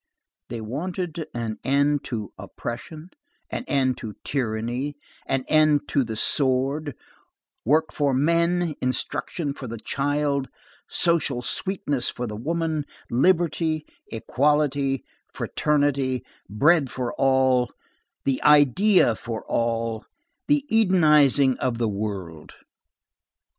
They wanted an end to oppression, an end to tyranny, an end to the sword, work for men, instruction for the child, social sweetness for the woman, liberty, equality, fraternity, bread for all, the idea for all, the Edenizing of the world.